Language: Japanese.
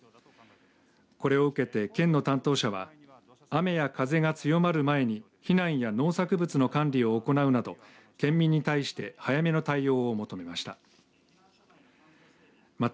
これを受けて県の担当者は雨や風が強まる前に避難や農作物の管理を行うなど県民に対して早めの対応を求めました。